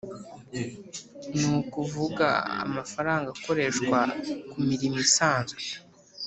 (ni ukuvuga amafaranga akoreshwa ku mirimo isanzwe